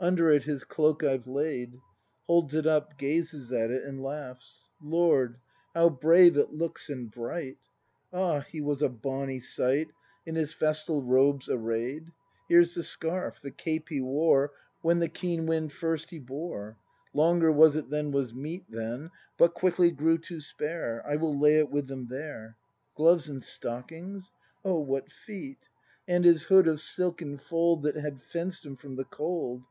Under it his cloak I've laid — [Holds it up, gazes at it, and laughs^ Lord, how brave it looks and bright! Ah, he was a bonny sight In his festal robes array 'd! Here's the scarf, the cape he wore When the keen wind first he bore; Longer was it than was meet Then, but quickly grew too spare — I will lay it with them there. Gloves and stockings — (Oh, what feet!) And his hood of silken fold That had fenced him from the cold.